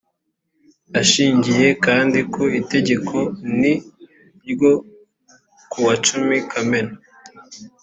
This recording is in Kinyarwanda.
ashingiye kandi ku itegeko n ryo kuwa cumi kamena